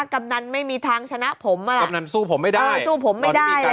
กำนันไม่มีทางชนะผมอ่ะ